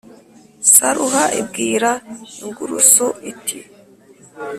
Saruhara ibwira ingurusu iti